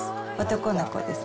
男の子です。